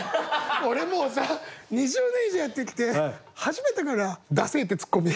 俺もうさ２０年以上やってきて初めてかな「ダセエ」ってツッコミ。